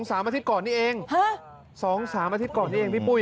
๒๓อาทิตย์ก่อนนี่เอง๒๓อาทิตย์ก่อนนี่เองพี่ปุ้ย